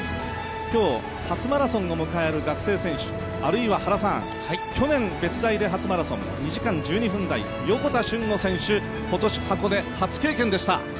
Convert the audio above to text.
今日、初マラソンを迎える学生選手あるいは、去年別大で初マラソン２時間１２分台、横田俊吾選手、今年、箱根、初経験でした。